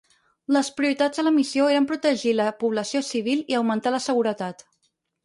Les prioritats de la missió eren protegir la població civil i augmentar la seguretat.